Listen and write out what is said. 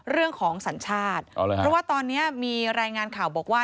สัญชาติเพราะว่าตอนนี้มีรายงานข่าวบอกว่า